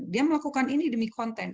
dia melakukan ini demi konten